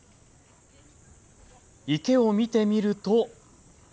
池を見てみると。